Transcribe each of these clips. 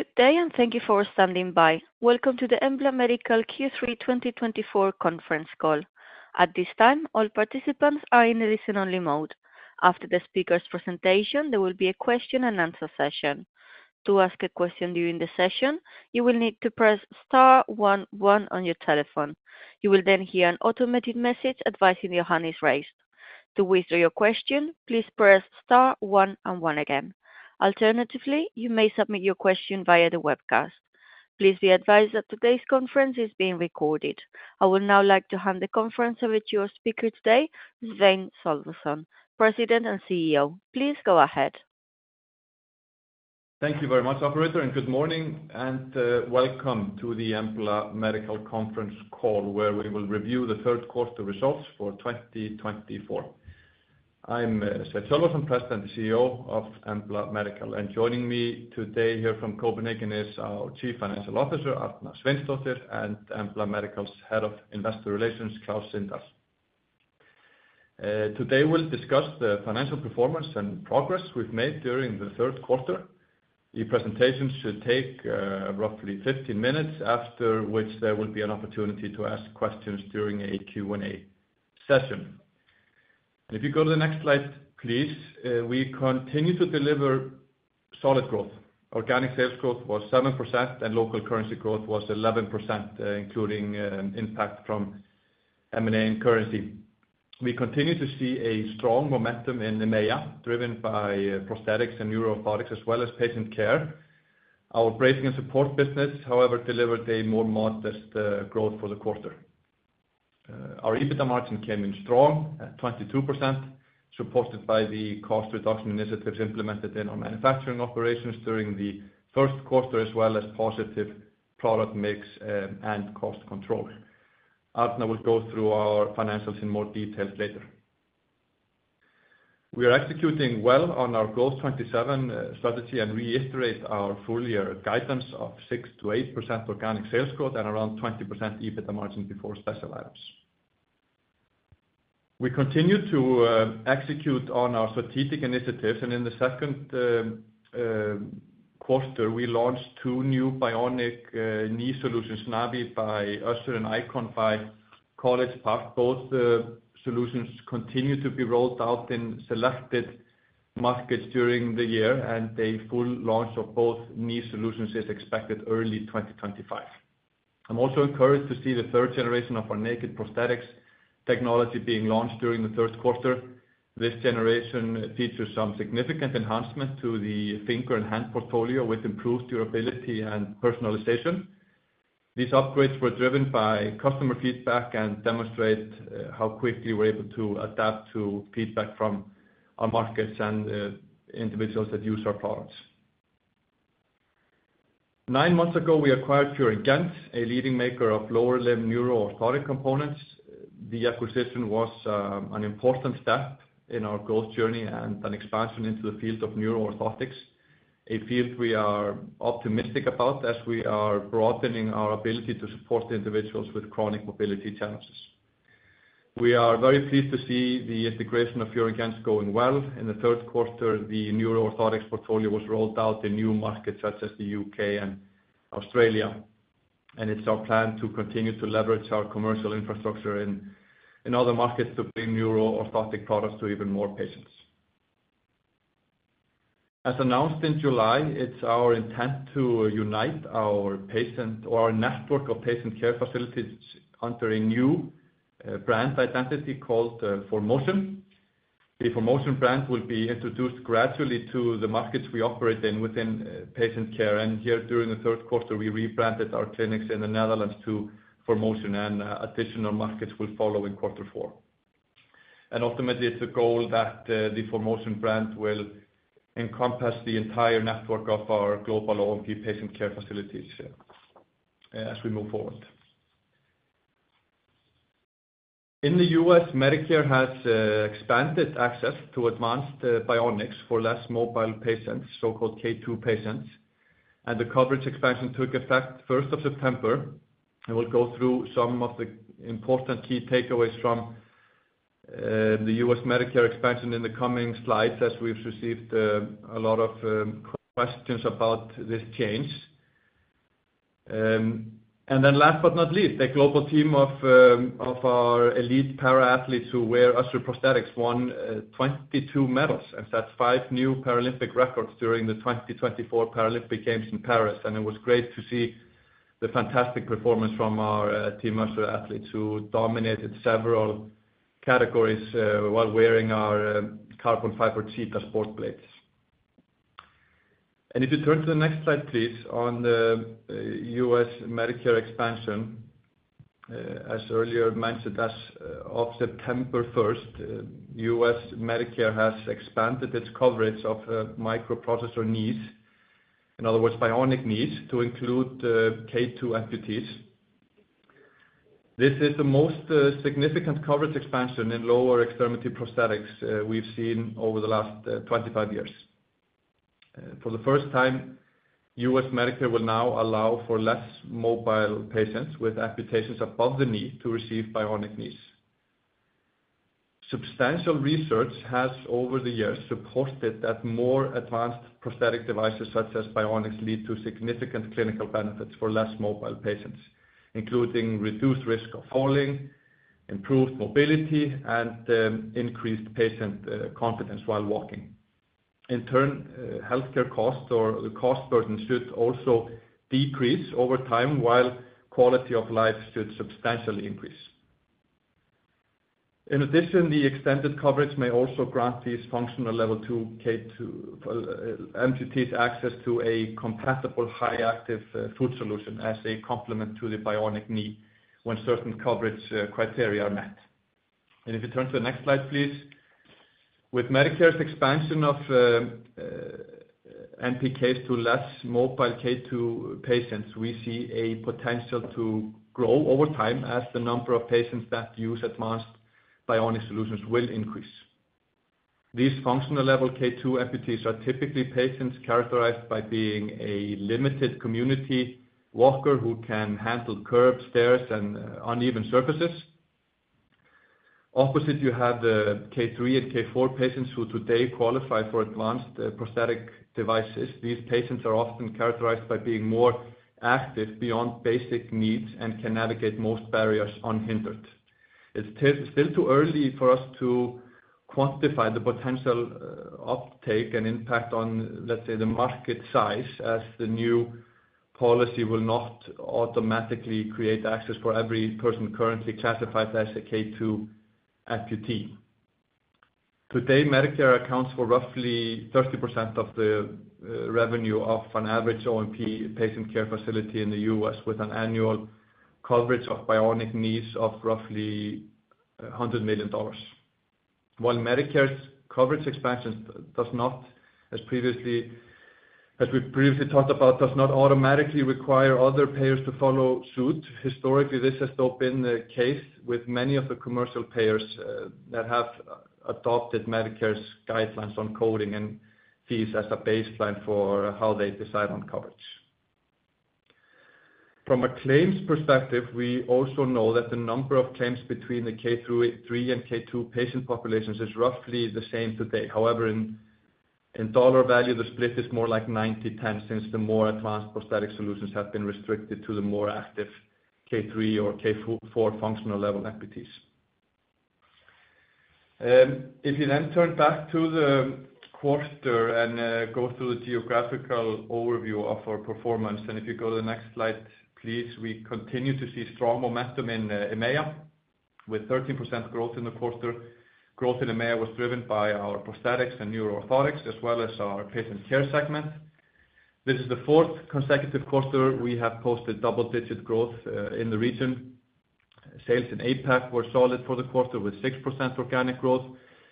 Good day, and thank you for standing by. Welcome to the Embla Medical Q3 2024 conference call. At this time, all participants are in listen-only mode. After the speaker's presentation, there will be a question and answer session. To ask a question during the session, you will need to press star one one on your telephone. You will then hear an automated message advising your hand is raised. To withdraw your question, please press star one and one again. Alternatively, you may submit your question via the webcast. Please be advised that today's conference is being recorded. I would now like to hand the conference over to your speaker today, Sveinn Sölvason, President and CEO. Please go ahead. Thank you very much, operator, and good morning, and welcome to the Embla Medical conference call, where we will review the Third Quarter results for 2024. I'm Sveinn Sölvason, President and CEO of Embla Medical, and joining me today here from Copenhagen is our Chief Financial Officer, Arna Sveinsdóttir, and Embla Medical's Head of Investor Relations, Klaus Sindahl. Today, we'll discuss the financial performance and progress we've made during the third quarter. The presentation should take roughly 50 minutes, after which there will be an opportunity to ask questions during a Q&A session. If you go to the next slide, please. We continue to deliver solid growth. Organic sales growth was 7%, and local currency growth was 11%, including impact from M&A and currency. We continue to see a strong momentum in EMEA, driven by prosthetics and neuro products as well as patient care. Our bracing and support business, however, delivered a more modest growth for the quarter. Our EBITDA margin came in strong at 22%, supported by the cost reduction initiatives implemented in our manufacturing operations during the first quarter, as well as positive product mix and cost control. Arna will go through our financials in more details later. We are executing well on our Growth'27 strategy and reiterate our full year guidance of 6-8% organic sales growth and around 20% EBITDA margin before special items. We continue to execute on our strategic initiatives, and in the second quarter, we launched two new bionic knee solutions, Nāvī by Össur and ICON by College Park. Both the solutions continue to be rolled out in selected markets during the year, and a full launch of both knee solutions is expected early 2025. I'm also encouraged to see the third generation of our Naked Prosthetics technology being launched during the third quarter. This generation features some significant enhancement to the finger and hand portfolio, with improved durability and personalization. These upgrades were driven by customer feedback and demonstrate how quickly we're able to adapt to feedback from our markets and individuals that use our products. Nine months ago, we acquired Fior & Gentz, a leading maker of lower limb neuro orthotic components. The acquisition was an important step in our growth journey and an expansion into the field of neuro orthotics. A field we are optimistic about as we are broadening our ability to support individuals with chronic mobility challenges. We are very pleased to see the integration of Fior & Gentz going well. In the third quarter, the neuro orthotics portfolio was rolled out in new markets such as the U.K. and Australia, and it's our plan to continue to leverage our commercial infrastructure in other markets to bring neuro orthotic products to even more patients. As announced in July, it's our intent to unite our patient or our network of patient care facilities under a new brand identity called ForMotion. The ForMotion brand will be introduced gradually to the markets we operate in within patient care, and here, during the third quarter, we rebranded our clinics in the Netherlands to ForMotion, and additional markets will follow in quarter four. Ultimately, it's a goal that the ForMotion brand will encompass the entire network of our global O&P patient care facilities as we move forward. In the U.S., Medicare has expanded access to advanced bionics for less mobile patients, so-called K2 patients, and the coverage expansion took effect first of September, and we'll go through some of the important key takeaways from the U.S. Medicare expansion in the coming slides, as we've received a lot of questions about this change. Then last but not least, the global team of our elite para athletes who wear Össur prosthetics won 22 medals and set 5 new Paralympic records during the 2024 Paralympic Games in Paris. It was great to see the fantastic performance from our Team Össur athletes, who dominated several categories, while wearing our carbon fiber Cheetah sport blades. If you turn to the next slide, please, on the U.S. Medicare expansion. As earlier mentioned, as of September first, U.S. Medicare has expanded its coverage of microprocessor knees, in other words, bionic knees, to include K2 amputees. This is the most significant coverage expansion in lower extremity prosthetics, we've seen over the last 25 years. For the first time, U.S. Medicare will now allow for less mobile patients with amputations above the knee to receive bionic knees. Substantial research has, over the years, supported that more advanced prosthetic devices, such as bionics, lead to significant clinical benefits for less mobile patients, including reduced risk of falling, improved mobility, and increased patient confidence while walking. In turn, healthcare costs or the cost burden should also decrease over time, while quality of life should substantially increase. In addition, the extended coverage may also grant these functional level two K2 amputees access to a compatible high active foot solution as a complement to the bionic knee when certain coverage criteria are met. And if you turn to the next slide, please. With Medicare's expansion of MPK to less mobile K2 patients, we see a potential to grow over time as the number of patients that use advanced bionic solutions will increase. These functional level K2 amputees are typically patients characterized by being a limited community walker who can handle curbs, stairs, and uneven surfaces. Opposite, you have the K3 and K4 patients who today qualify for advanced prosthetic devices. These patients are often characterized by being more active beyond basic needs and can navigate most barriers unhindered. It's still too early for us to quantify the potential uptake and impact on, let's say, the market size, as the new policy will not automatically create access for every person currently classified as a K2 amputee. Today, Medicare accounts for roughly 30% of the revenue of an average O&P patient care facility in the U.S., with an annual coverage of bionic knees of roughly $100 million. While Medicare's coverage expansion does not, as we previously talked about, automatically require other payers to follow suit, historically, this has still been the case with many of the commercial payers that have adopted Medicare's guidelines on coding and fees as a baseline for how they decide on coverage. From a claims perspective, we also know that the number of claims between the K3 and K2 patient populations is roughly the same today. However, in dollar value, the split is more like 90/10, since the more advanced prosthetic solutions have been restricted to the more active K3 or K4 functional level amputees. If you then turn back to the quarter and go through the geographical overview of our performance, and if you go to the next slide, please. We continue to see strong momentum in EMEA, with 13% growth in the quarter. Growth in EMEA was driven by our prosthetics and neuro orthotics, as well as our patient care segment. This is the fourth consecutive quarter we have posted double-digit growth in the region. Sales in APAC were solid for the quarter, with 6% organic growth,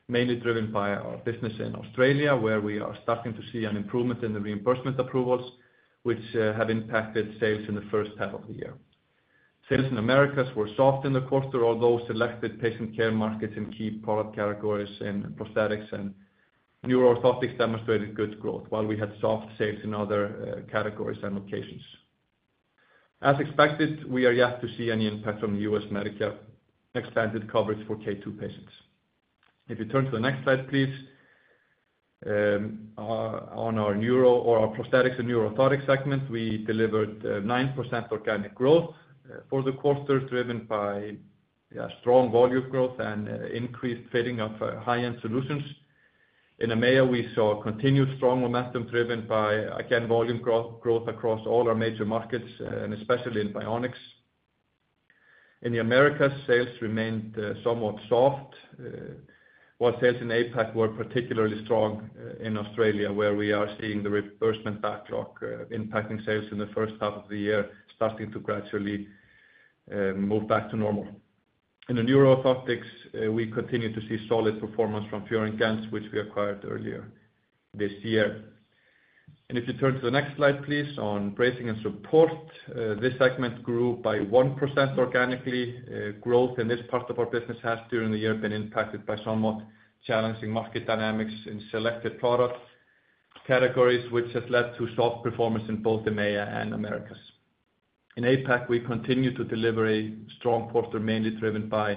mainly driven by our business in Australia, where we are starting to see an improvement in the reimbursement approvals, which have impacted sales in the first half of the year. Sales in Americas were soft in the quarter, although selected patient care markets in key product categories in prosthetics and neuro orthotics demonstrated good growth, while we had soft sales in other categories and locations. As expected, we are yet to see any impact from U.S. Medicare expanded coverage for K2 patients. If you turn to the next slide, please. On our prosthetics and neuroorthotics segment, we delivered 9% organic growth for the quarter, driven by strong volume growth and increased fitting of high-end solutions. In EMEA, we saw continued strong momentum, driven by, again, volume growth, growth across all our major markets and especially in bionics. In the Americas, sales remained somewhat soft. While sales in APAC were particularly strong in Australia, where we are seeing the reimbursement backlog impacting sales in the first half of the year, starting to gradually move back to normal. In the neuroorthotics, we continue to see solid performance from Fior & Gentz, which we acquired earlier this year. And if you turn to the next slide, please, on bracing and support. This segment grew by 1% organically. Growth in this part of our business has, during the year, been impacted by somewhat challenging market dynamics in selected products categories, which has led to soft performance in both EMEA and Americas. In APAC, we continue to deliver a strong quarter, mainly driven by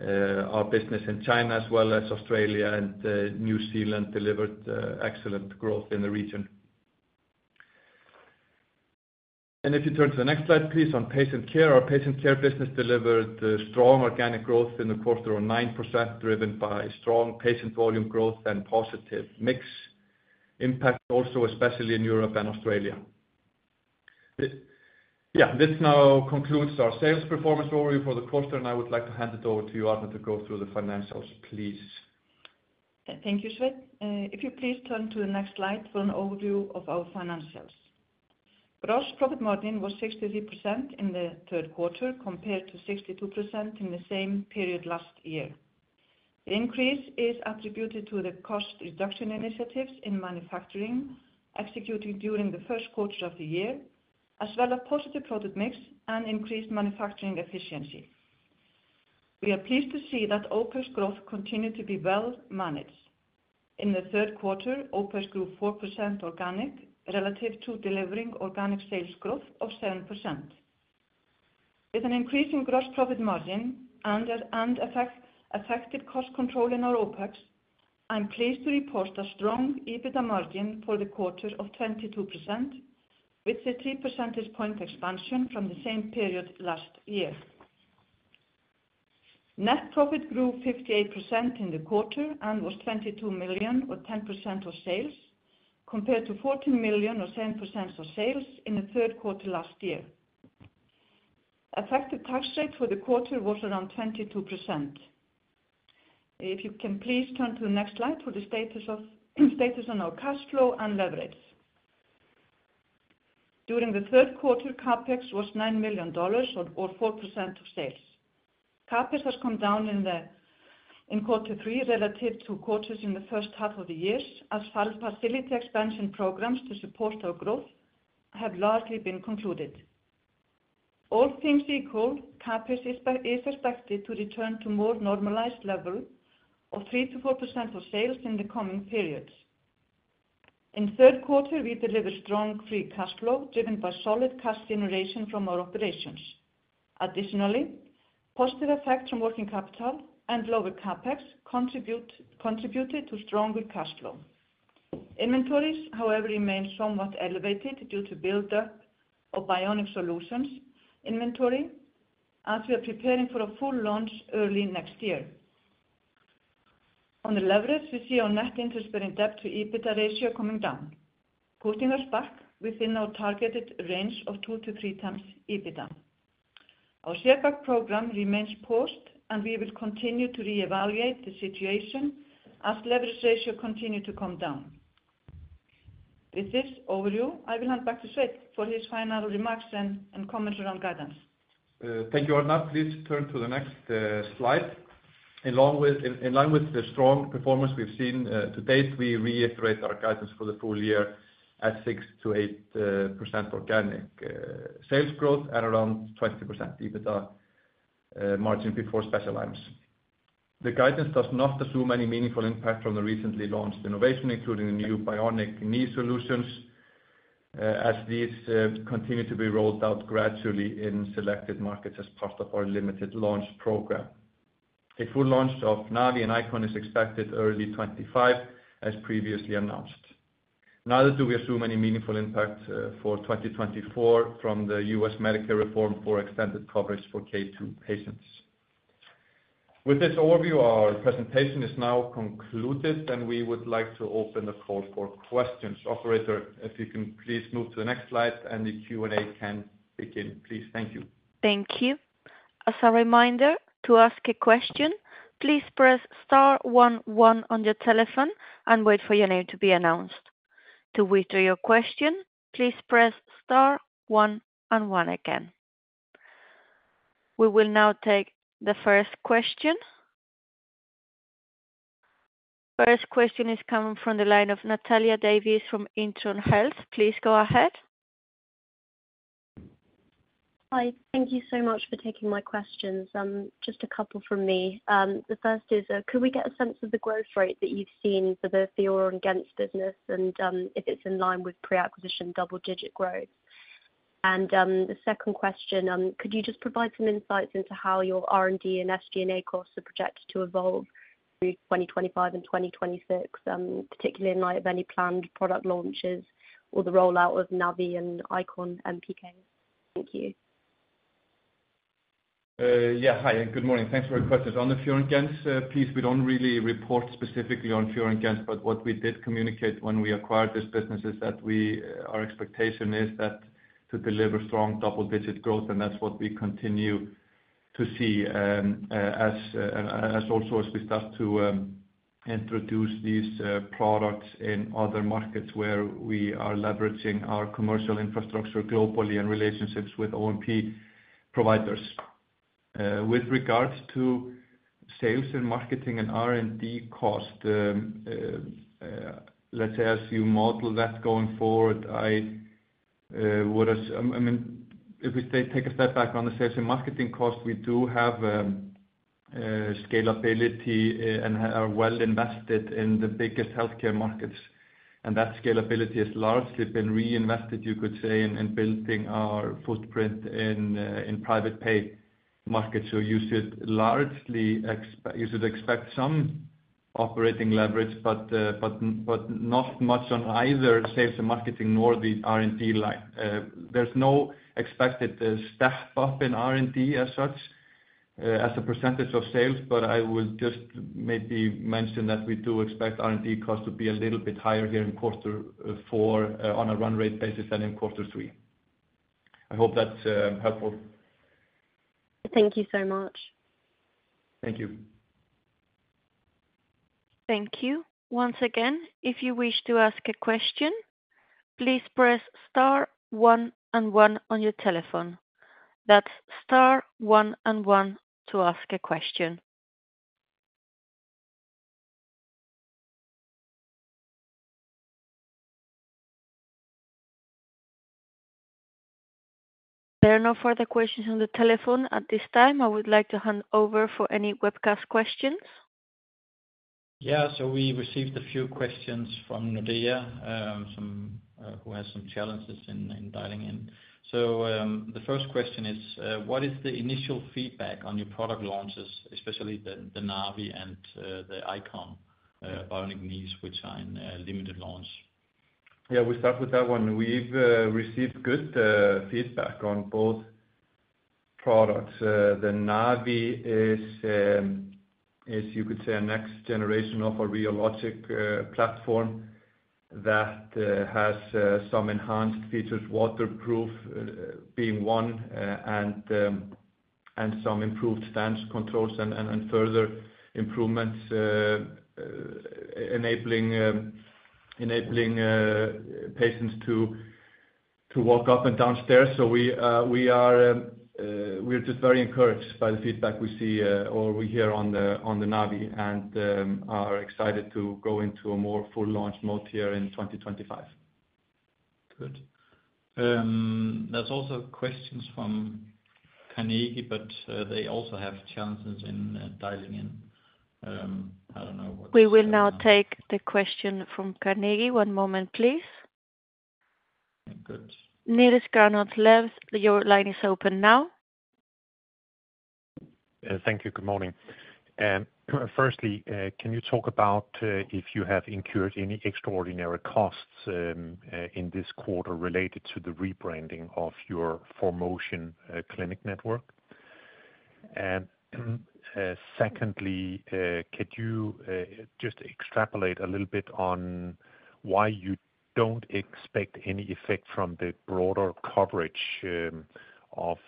our business in China, as well as Australia and New Zealand delivered excellent growth in the region, and if you turn to the next slide, please, on Patient Care. Our Patient Care business delivered strong organic growth in the quarter of 9%, driven by strong patient volume growth and positive mix impact also, especially in Europe and Australia. This, yeah, this now concludes our sales performance overview for the quarter, and I would like to hand it over to you, Arna, to go through the financials, please. Thank you, Sveinn. If you please turn to the next slide for an overview of our financials. Gross profit margin was 63% in the third quarter, compared to 62% in the same period last year. The increase is attributed to the cost reduction initiatives in manufacturing, executed during the first quarter of the year, as well as positive product mix and increased manufacturing efficiency. We are pleased to see that Össur growth continued to be well managed. In the third quarter, OpEx grew 4% organic, relative to delivering organic sales growth of 7%. With an increasing gross profit margin and effective cost control in our OpEx, I'm pleased to report a strong EBITDA margin for the quarter of 22%, with a three percentage point expansion from the same period last year. Net profit grew 58% in the quarter and was $22 million, or 10% of sales, compared to $14 million, or 7% of sales, in the third quarter last year. Effective tax rate for the quarter was around 22%. If you can please turn to the next slide for the status of, status on our cash flow and leverage. During the third quarter, CapEx was $9 million or, or 4% of sales. CapEx has come down in the, in quarter three, relative to quarters in the first half of the year, as well facility expansion programs to support our growth have largely been concluded. All things equal, CapEx is, is expected to return to more normalized level of 3%-4% of sales in the coming periods. In third quarter, we delivered strong free cash flow, driven by solid cash generation from our operations. Additionally, positive effect from working capital and lower CapEx contributed to strong free cash flow. Inventories, however, remained somewhat elevated due to build-up of bionic solutions inventory, as we are preparing for a full launch early next year. On the leverage, we see our net interest-bearing debt to EBITDA ratio coming down, putting us back within our targeted range of 2-3x EBITDA. Our share buyback program remains paused, and we will continue to reevaluate the situation as leverage ratio continue to come down. With this overview, I will hand back to Sveinn for his final remarks and commentary on guidance. Thank you, Arna. Please turn to the next slide. In line with the strong performance we've seen to date, we reiterate our guidance for the full year at 6-8% organic sales growth at around 20% EBITDA margin before special items. The guidance does not assume any meaningful impact from the recently launched innovation, including the new bionic knee solutions, as these continue to be rolled out gradually in selected markets as part of our limited launch program. A full launch of Nāvī and ICON is expected early 2025, as previously announced. Neither do we assume any meaningful impact for 2024 from the U.S. Medicare reform for extended coverage for K2 patients. With this overview, our presentation is now concluded, and we would like to open the call for questions. Operator, if you can please move to the next slide, and the Q&A can begin, please. Thank you. Thank you. As a reminder, to ask a question, please press star one one on your telephone and wait for your name to be announced. To withdraw your question, please press star one and one again. We will now take the first question. First question is coming from the line of Natalya Davies from Intron Health. Please go ahead. Hi. Thank you so much for taking my questions. Just a couple from me. The first is, could we get a sense of the growth rate that you've seen for the Fior & Gentz business, and, if it's in line with pre-acquisition double-digit growth? And, the second question, could you just provide some insights into how your R&D and SG&A costs are projected to evolve through 2025 and 2026, particularly in light of any planned product launches or the rollout of Nāvī and ICON MPK? Thank you. Yeah, hi, and good morning. Thanks for your questions. On the Fior & Gentz, please, we don't really report specifically on Fior & Gentz, but what we did communicate when we acquired this business is that our expectation is to deliver strong double-digit growth, and that's what we continue to see, as we also start to introduce these products in other markets where we are leveraging our commercial infrastructure globally and relationships with O&P providers. With regards to sales and marketing and R&D cost, let's say as you model that going forward, I would, I mean, if we take take a step back on the sales and marketing cost, we do have scalability and are well invested in the biggest healthcare markets. And that scalability has largely been reinvested, you could say, in building our footprint in private pay markets. So you should largely expect some operating leverage, but not much on either sales and marketing, nor the R&D line. There's no expected step up in R&D as such, as a percentage of sales, but I would just maybe mention that we do expect R&D costs to be a little bit higher here in quarter four, on a run rate basis than in quarter three. I hope that's helpful. Thank you so much. Thank you. Thank you. Once again, if you wish to ask a question, please press star one and one on your telephone. That's star one and one to ask a question. There are no further questions on the telephone at this time. I would like to hand over for any webcast questions. Yeah, so we received a few questions from Nordea, some who has some challenges in dialing in. So, the first question is, what is the initial feedback on your product launches, especially the Nāvī and the ICON bionic knees, which are in a limited launch? Yeah, we'll start with that one. We've received good feedback on both products. The Nāvī is you could say a next generation of a Rheo platform that has some enhanced features, waterproof being one, and some improved stance controls and further improvements enabling patients to walk up and down stairs. So we're just very encouraged by the feedback we see or we hear on the Nāvī, and are excited to go into a more full launch mode here in 2025. Good. There's also questions from Carnegie, but they also have challenges in dialing in. I don't know what- We will now take the question from Carnegie. One moment, please. Good. Niels Granholm-Leth, your line is open now. Thank you, good morning. Firstly, can you talk about if you have incurred any extraordinary costs in this quarter related to the rebranding of your ForMotion clinic network? And secondly, could you just extrapolate a little bit on why you don't expect any effect from the broader coverage of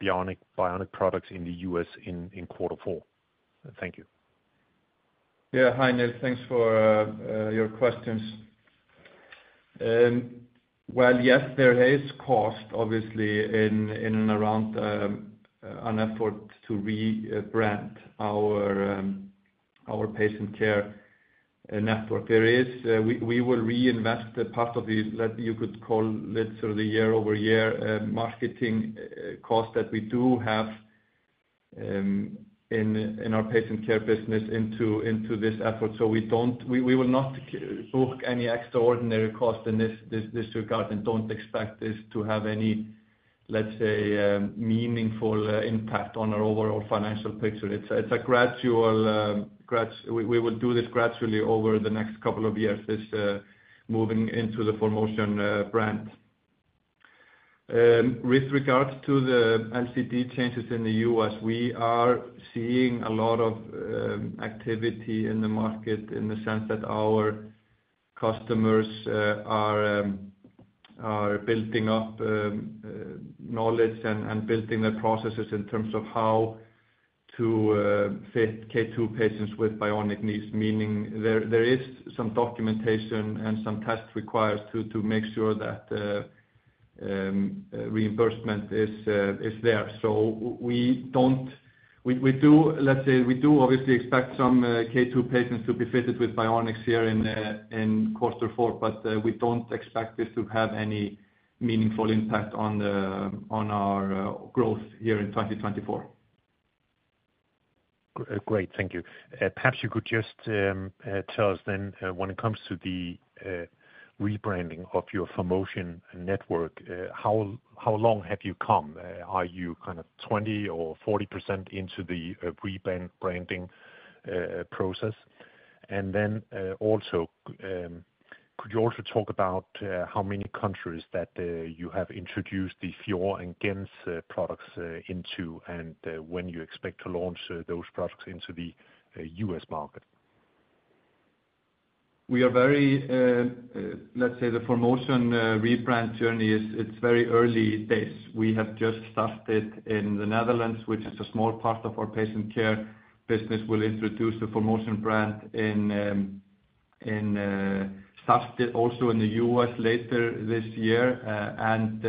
bionic products in the U.S. in quarter four? Thank you. Yeah. Hi, Niels. Thanks for your questions. Well, yes, there is cost obviously in and around an effort to rebrand our patient care network. There is. We will reinvest a part of the, that you could call, let's say, the year-over-year marketing cost that we do have in our patient care business into this effort. So we don't. We will not book any extraordinary cost in this regard and don't expect this to have any, let's say, meaningful impact on our overall financial picture. It's a gradual. We will do this gradually over the next couple of years, this moving into the ForMotion brand. With regards to the LCD changes in the U.S., we are seeing a lot of activity in the market, in the sense that our customers are building up knowledge and building their processes in terms of how to fit K2 patients with bionic knees, meaning there is some documentation and some tests required to make sure that reimbursement is there. So we don't... We do, let's say, we do obviously expect some K2 patients to be fitted with bionics here in quarter four, but we don't expect this to have any meaningful impact on our growth here in 2024. Great, thank you. Perhaps you could just tell us then, when it comes to the rebranding of your ForMotion network, how long have you come? Are you kind of 20% or 40% into the rebranding process? And then, also, could you also talk about how many countries that you have introduced the Fior & Gentz products into, and when you expect to launch those products into the U.S. market? We are very, let's say, the ForMotion rebrand journey is. It's very early days. We have just started in the Netherlands, which is a small part of our patient care business. We'll introduce the ForMotion brand started also in the U.S. later this year, and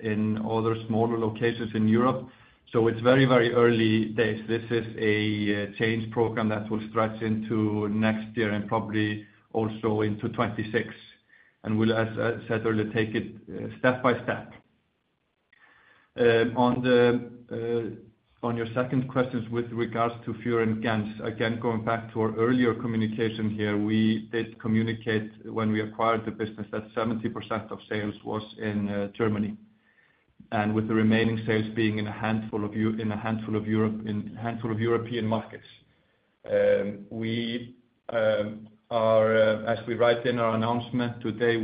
in other smaller locations in Europe, so it's very, very early days. This is a change program that will stretch into next year and probably also into 2026, and we'll, as I said earlier, take it step by step. On the, on your second questions with regards to Fior & Gentz, again, going back to our earlier communication here, we did communicate when we acquired the business, that 70% of sales was in Germany, and with the remaining sales being in a handful of European markets. We are, as we write in our announcement today,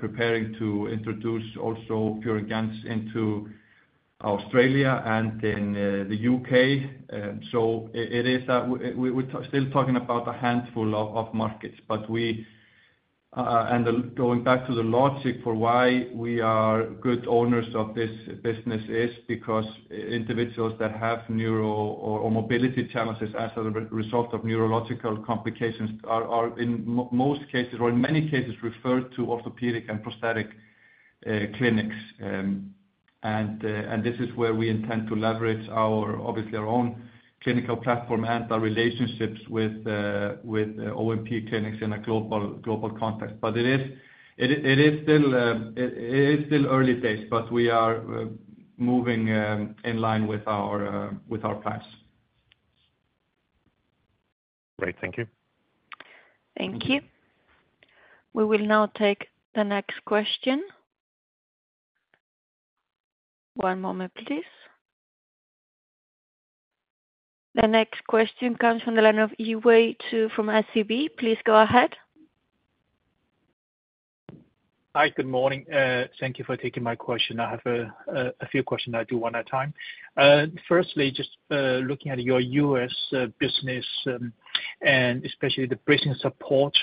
preparing to introduce also Fior & Gentz into Australia and in the U.K. So we are still talking about a handful of markets. But we and going back to the logic for why we are good owners of this business is because individuals that have neuro or mobility challenges as a result of neurological complications are, in most cases or in many cases, referred to orthotic and prosthetic clinics and this is where we intend to leverage our, obviously, our own clinical platform and our relationships with O&P clinics in a global context. But it is still early days, but we are moving in line with our plans. Great. Thank you. Thank you. We will now take the next question. One moment, please. The next question comes from the line of Yiwei Zhou from SEB. Please go ahead. Hi, good morning. Thank you for taking my question. I have a few questions. I'll do one at a time. Firstly, just looking at your U.S. business, and especially the bracing support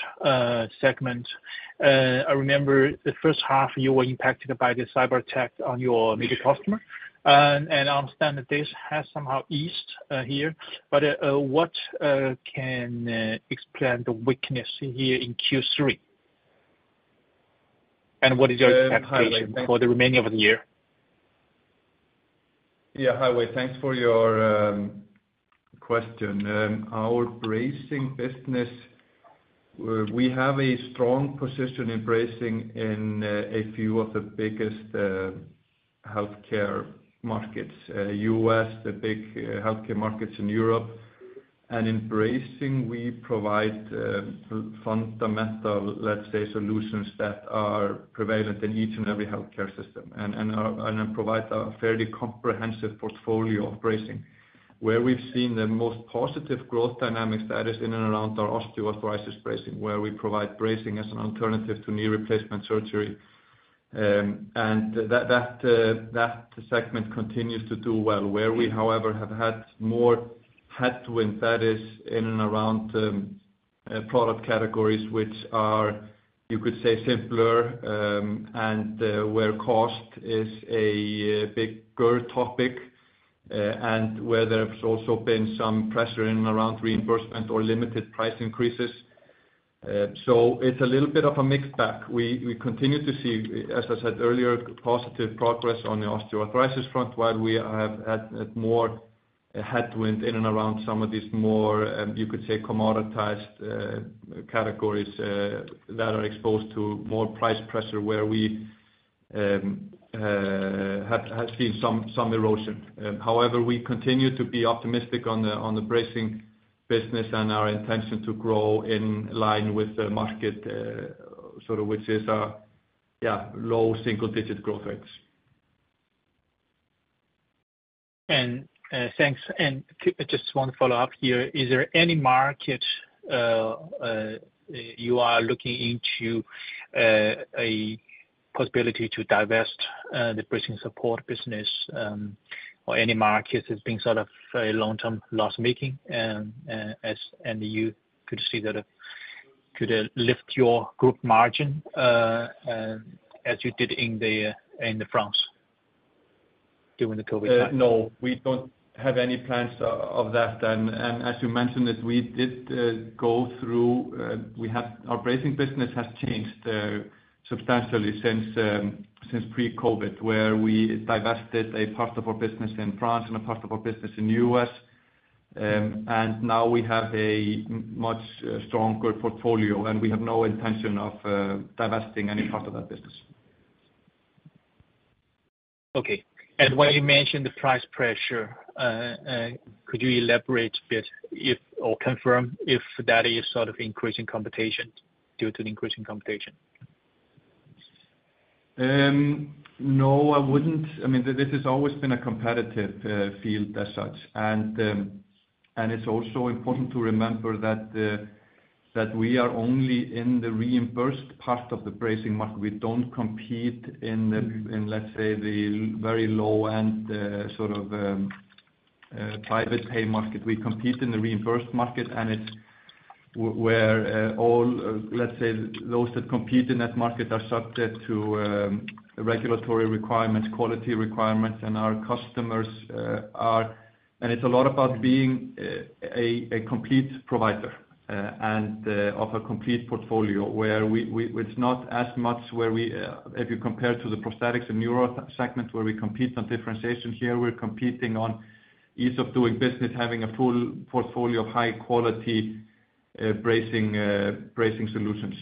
segment, I remember the first half, you were impacted by the cyber attack on your major customer. And I understand that this has somehow eased here, but what can explain the weakness here in Q3? And what is your expectation for the remaining of the year? Yeah, Hi Yiwei, thanks for your question. Our bracing business, we have a strong position in bracing in a few of the biggest healthcare markets, U.S., the big healthcare markets in Europe. And in bracing, we provide fundamental, let's say, solutions that are prevalent in each and every healthcare system. And it provides a fairly comprehensive portfolio of bracing. Where we've seen the most positive growth dynamics, that is in and around our osteoarthritis bracing, where we provide bracing as an alternative to knee replacement surgery. And that segment continues to do well. Where we, however, have had more headwind, that is in and around product categories, which are, you could say, simpler, and where cost is a bigger topic, and where there's also been some pressure in and around reimbursement or limited price increases, so it's a little bit of a mixed bag. We continue to see, as I said earlier, positive progress on the osteoarthritis front, while we have had more headwind in and around some of these more, you could say, commoditized categories that are exposed to more price pressure, where we have seen some erosion. However, we continue to be optimistic on the bracing business and our intention to grow in line with the market, sort of which is low single digit growth rates. And, thanks. Just one follow-up here. Is there any market you are looking into a possibility to divest the bracing and supports business, or any markets as being sort of very long-term loss-making, and you could see that could lift your group margin, as you did in the France during the COVID time? No, we don't have any plans of that. And as you mentioned, that we did go through, we have. Our bracing business has changed substantially since pre-COVID, where we divested a part of our business in France and a part of our business in U.S. And now we have a much stronger portfolio, and we have no intention of divesting any part of that business. Okay. And when you mentioned the price pressure, could you elaborate a bit if, or confirm if that is sort of increasing competition, due to the increasing competition? No, I wouldn't. I mean, this has always been a competitive field as such. And it's also important to remember that we are only in the reimbursed part of the bracing market. We don't compete in the- Mm-hmm.... in, let's say, the very low-end, sort of, private pay market. We compete in the reimbursed market, and it's where all, let's say, those that compete in that market are subject to regulatory requirements, quality requirements, and our customers are, and it's a lot about being a complete provider and of a complete portfolio, where we. It's not as much where we if you compare to the prosthetics and neuro segments, where we compete on differentiation. Here, we're competing on ease of doing business, having a full portfolio of high quality bracing solutions,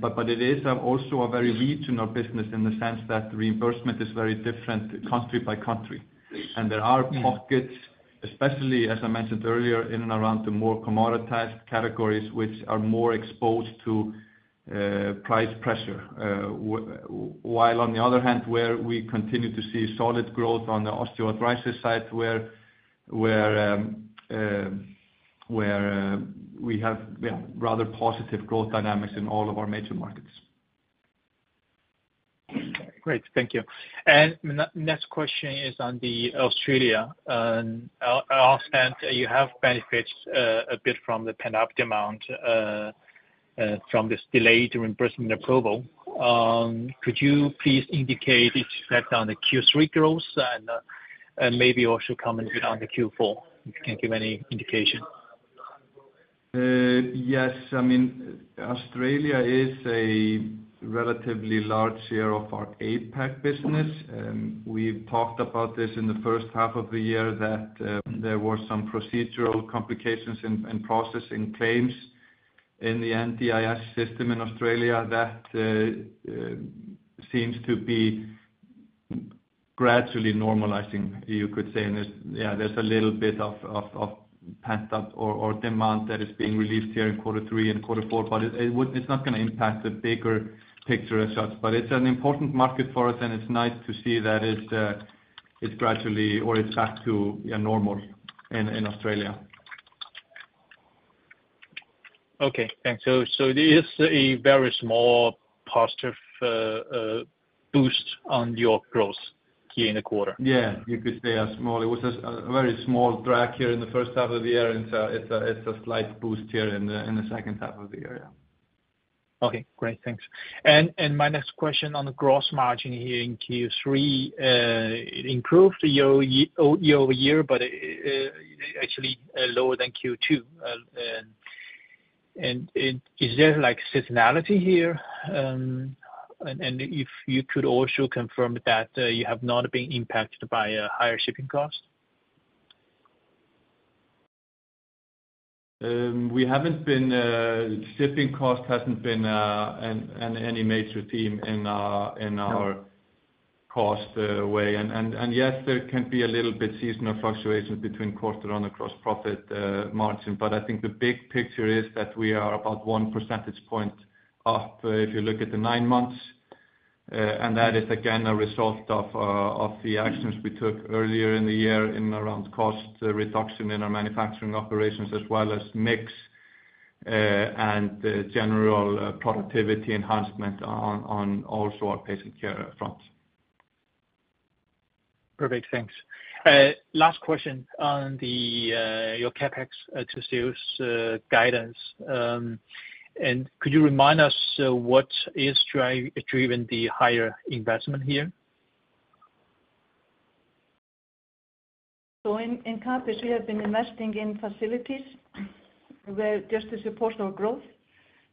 but it is also a very regional business in the sense that reimbursement is very different country by country. Mm. And there are pockets- Mm... especially, as I mentioned earlier, in and around the more commoditized categories, which are more exposed to price pressure. While on the other hand, where we continue to see solid growth on the osteoarthritis side, where we have, yeah, rather positive growth dynamics in all of our major markets. Great. Thank you, and next question is on the Australia. I understand you have benefits a bit from the pent-up demand from this delay during Brisbane approval. Could you please indicate if that on the Q3 growth and maybe also comment a bit on the Q4, if you can give any indication? ... Yes, I mean, Australia is a relatively large share of our APAC business, and we've talked about this in the first half of the year, that there were some procedural complications in processing claims in the NDIS system in Australia that seems to be gradually normalizing, you could say. And there's a little bit of pent-up or demand that is being released here in quarter three and quarter four, but it's not gonna impact the bigger picture as such. But it's an important market for us, and it's nice to see that it's gradually or it's back to normal in Australia. Okay, thanks. So it is a very small positive boost on your growth here in the quarter? Yeah, you could say a small. It was a very small drag here in the first half of the year, and so it's a slight boost here in the second half of the year, yeah. Okay, great. Thanks. And my next question on the gross margin here in Q3, it improved year over year, but actually lower than Q2. And is there, like, seasonality here? And if you could also confirm that you have not been impacted by higher shipping costs? We haven't been, shipping cost hasn't been, any major theme in our- Yeah... cost way. And yes, there can be a little bit seasonal fluctuations between quarter on the gross profit margin. But I think the big picture is that we are about one percentage point up, if you look at the nine months, and that is, again, a result of the actions we took earlier in the year in around cost reduction in our manufacturing operations, as well as mix, and general productivity enhancement on also our Patient Care front. Perfect, thanks. Last question on your CapEx to sales guidance, and could you remind us what is driven the higher investment here? In CapEx, we have been investing in facilities just to support our growth,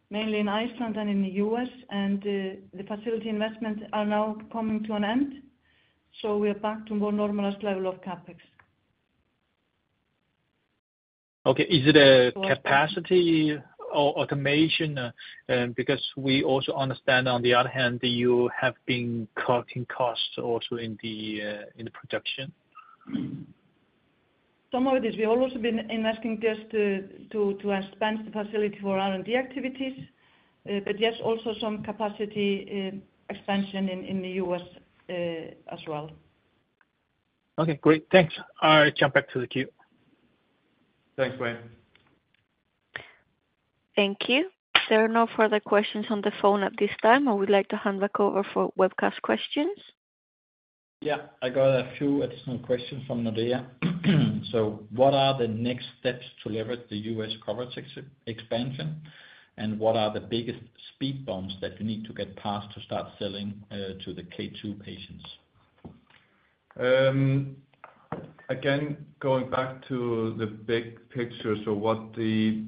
mainly in Iceland and in the U.S., and the facility investments are now coming to an end. We are back to more normalized level of CapEx. Okay. Is it a capacity or automation? Because we also understand, on the other hand, you have been cutting costs also in the production. Some of it is. We've also been investing just to expand the facility for R&D activities, but yes, also some capacity expansion in the U.S., as well. Okay, great. Thanks. I'll jump back to the queue. Thanks, Yiwei. Thank you. There are no further questions on the phone at this time. I would like to hand back over for webcast questions. Yeah, I got a few additional questions from Nordea. So what are the next steps to leverage the U.S. coverage expansion, and what are the biggest speed bumps that you need to get past to start selling to the K2 patients? Again, going back to the big picture, so what the,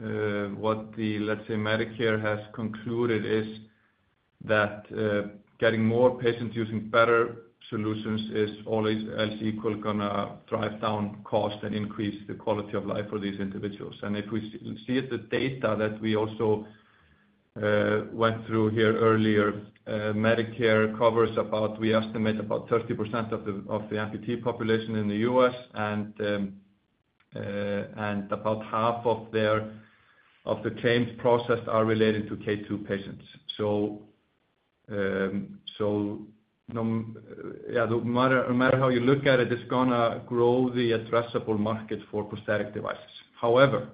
let's say, Medicare has concluded is that getting more patients using better solutions is always as equal gonna drive down cost and increase the quality of life for these individuals. And if we see the data that we also went through here earlier, Medicare covers about, we estimate, about 30% of the amputee population in the U.S., and about half of their claims processed are related to K2 patients. So, yeah, no matter how you look at it, it's gonna grow the addressable market for prosthetic devices. However,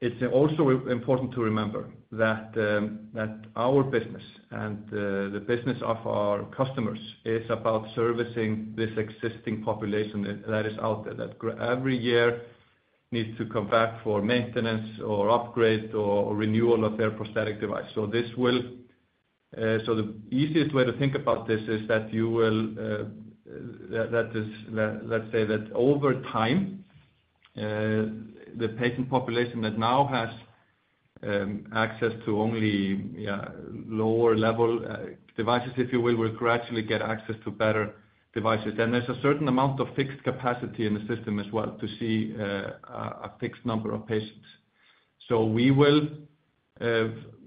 it's also important to remember that our business and the business of our customers is about servicing this existing population that is out there that every year needs to come back for maintenance or upgrade or renewal of their prosthetic device. So the easiest way to think about this is that, that is, let's say that over time the patient population that now has access to only, yeah, lower level devices, if you will, will gradually get access to better devices. Then there's a certain amount of fixed capacity in the system as well to see a fixed number of patients. So we will,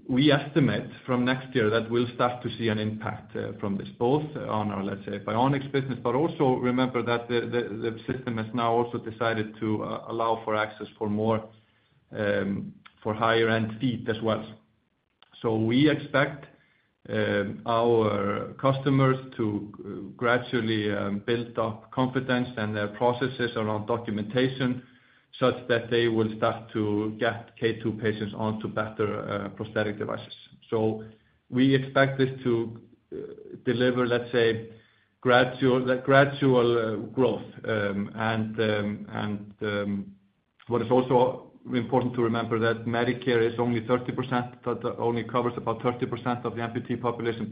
we estimate from next year that we'll start to see an impact from this, both on our, let's say, bionics business, but also remember that the system has now also decided to allow for access for more for higher-end feet as well. So we expect our customers to gradually build up confidence in their processes around documentation such that they will start to get K2 patients onto better prosthetic devices. So we expect this to deliver, let's say, gradual growth. What is also important to remember that Medicare is only 30%, but only covers about 30% of the amputee population.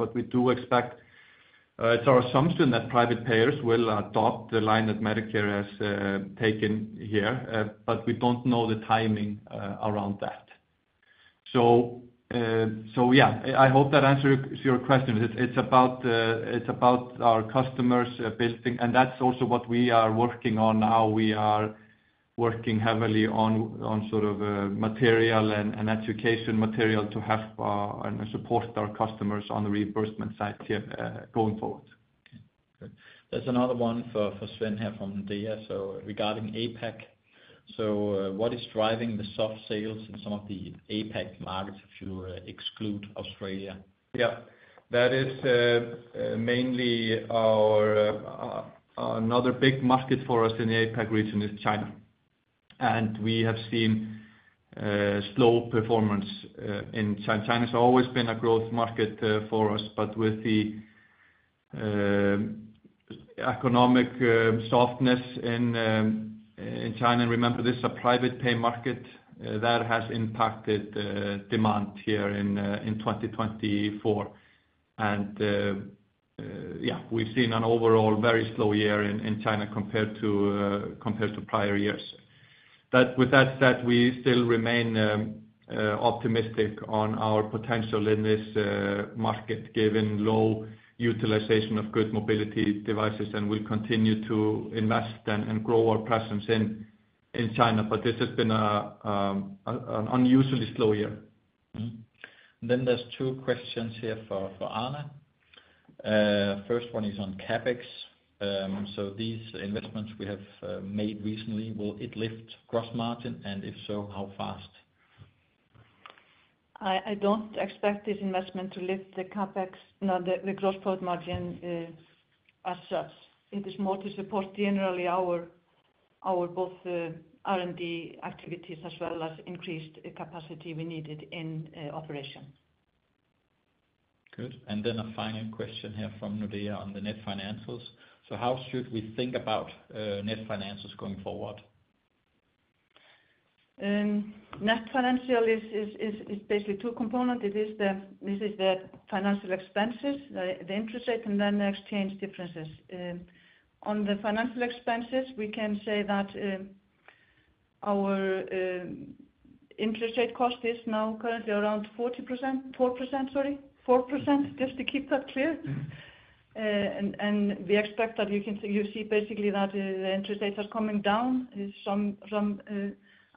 It's our assumption that private payers will adopt the line that Medicare has taken here, but we don't know the timing around that. So yeah, I hope that answers your question. It's about our customers building, and that's also what we are working on now. We are working heavily on sort of material and education material to have and support our customers on the reimbursement side here, going forward. Okay, good. There's another one for Svein here from DNB. So regarding APAC, what is driving the soft sales in some of the APAC markets, if you exclude Australia? Yeah, that is mainly our... Another big market for us in the APAC region is China, and we have seen slow performance in China. China's always been a growth market for us, but with the economic softness in China, remember, this is a private pay market that has impacted demand here in 2024. And yeah, we've seen an overall very slow year in China compared to prior years. But with that said, we still remain optimistic on our potential in this market, given low utilization of good mobility devices, and we continue to invest and grow our presence in China. But this has been an unusually slow year. Mm-hmm. Then there's two questions here for Arna. First one is on CapEx. So these investments we have made recently, will it lift gross margin? And if so, how fast? I don't expect this investment to lift the CapEx, no, the gross profit margin, as such. It is more to support generally our both R&D activities as well as increased capacity we needed in operation. Good. And then a final question here from Nordea on the net financials. So how should we think about net finances going forward? Net financial is basically two component. It is the financial expenses, the interest rate, and then the exchange differences. On the financial expenses, we can say that our interest rate cost is now currently around 4%, sorry, 4%, just to keep that clear. Mm-hmm. We expect that you see basically that the interest rates are coming down. There is some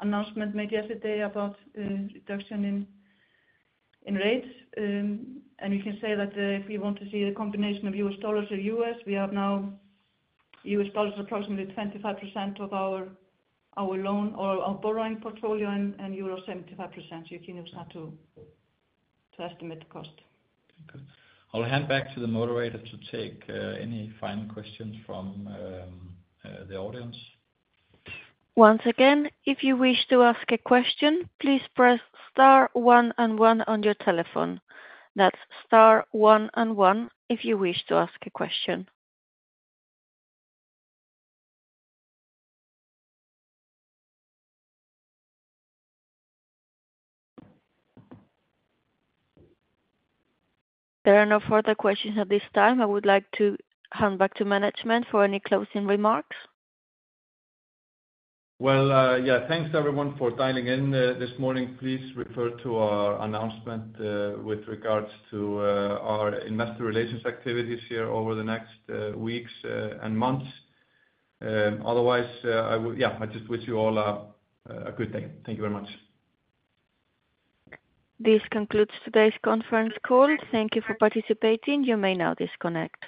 announcement made yesterday about reduction in rates. And you can say that if you want to see a combination of U.S. dollars to euros, we have now U.S. dollars, approximately 25% of our loan or our borrowing portfolio, and euros 75%. You can use that to estimate the cost. Good. I'll hand back to the moderator to take any final questions from the audience. Once again, if you wish to ask a question, please press star one and one on your telephone. That's star one and one if you wish to ask a question. There are no further questions at this time. I would like to hand back to management for any closing remarks. Yeah, thanks, everyone, for dialing in this morning. Please refer to our announcement with regards to our investor relations activities here over the next weeks and months. Otherwise... Yeah, I just wish you all a good day. Thank you very much. This concludes today's conference call. Thank you for participating. You may now disconnect.